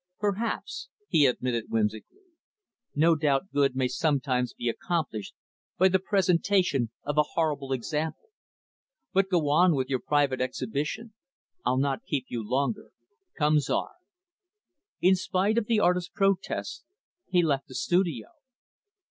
"Perhaps," he admitted whimsically. "No doubt good may sometimes be accomplished by the presentation of a horrible example. But go on with your private exhibition. I'll not keep you longer. Come, Czar." In spite of the artist's protests, he left the studio.